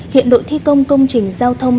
hiện đội thi công công trình giao thông